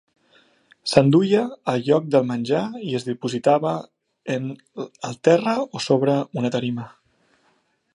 S'enduia al lloc del menjar i es dipositava en el terra o sobre una tarima.